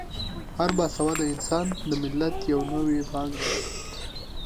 هر با سواده انسان د ملت یوه نوې پانګه ده.